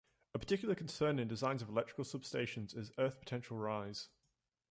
A particular concern in design of electrical substations is earth potential rise.